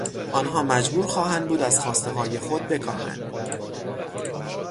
آنها مجبور خواهند بود از خواستههای خود بکاهند.